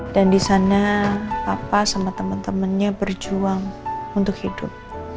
dan disana papa sama temen temennya berjuang untuk hidup